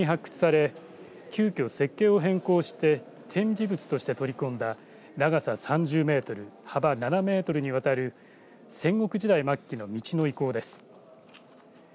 １階の展示の中心は工事中に発掘され急きょ設計を変更して展示物して取り込んだ長さ３０メートル幅７メートルにわたる戦国時代末期の道の遺構です。